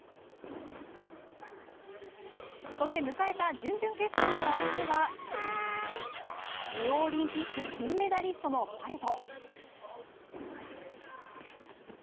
そして迎えた準々決勝の相手はリオオリンピック金メダリストのパレト。